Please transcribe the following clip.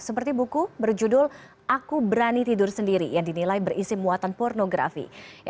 seperti buku berjudul aku berani tidur sendiri yang dinilai berisi muatan pornografi